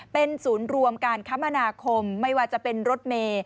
เป็นศูนย์รวมการคมนาคมไม่ว่าจะเป็นรถเมย์